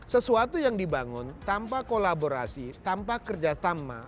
sesuatu yang dibangun tanpa kolaborasi tanpa kerja sama